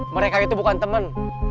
mereka itu bukan temen